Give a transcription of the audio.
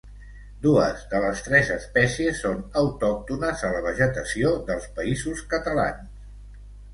Dues de les tres espècies són autòctones a la vegetació dels Països Catalans.